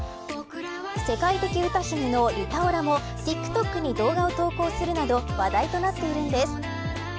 世界的歌姫のリタ・オラもＴｉｋＴｏｋに動画を投稿するなど話題となっているんです。